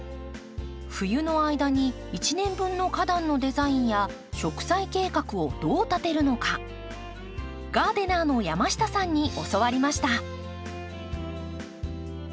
冬の間に一年分の花壇のデザインや植栽計画をどう立てるのかガーデナーの山下さんに教わりました。